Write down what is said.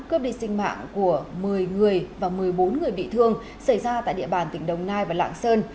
cướp đi sinh mạng của một mươi người và một mươi bốn người bị thương xảy ra tại địa bàn tỉnh đồng nai và lạng sơn